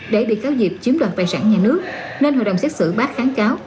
để bị cáo dịp chiếm đoàn tài sản nhà nước nên hội đồng xét xử bác kháng cáo